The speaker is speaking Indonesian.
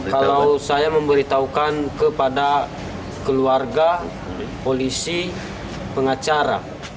kalau saya memberitahukan kepada keluarga polisi pengacara